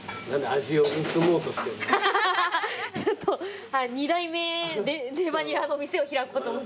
ちょっと二代目レバにらの店を開こうと思って。